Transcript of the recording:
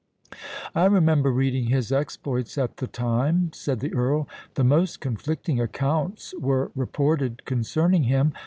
"I remember reading his exploits at the time," said the Earl. "The most conflicting accounts were reported concerning him.